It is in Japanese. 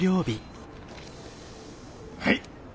はい。